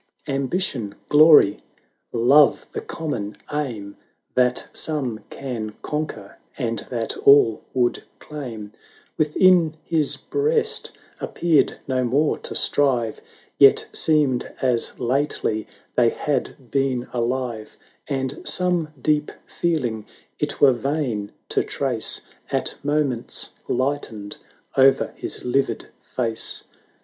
Ambition, Glory, Love, the common aim, That some can conquer, and that all would claim, 80 Within his breast appeared no more to strive. Yet seemed as lately they had been alive; And some deep feeling it were vain to trace At moments lightened o'er his livid face, VI.